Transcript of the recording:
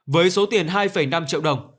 với số tiền hai năm triệu đồng